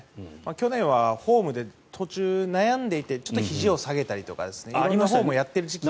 去年はフォームで途中、悩んでいてちょっとひじを下げたり色んなフォームをやっている時期が。